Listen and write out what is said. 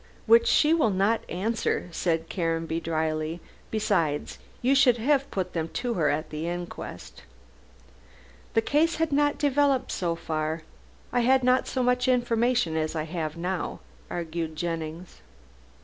"Which she will not answer," said Caranby drily. "Besides, you should have put them at the inquest." "The case had not developed so far. I had not so much information as I have now," argued Jennings.